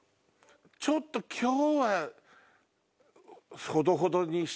「ちょっと今日は」。